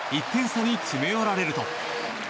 １点差に詰め寄られると。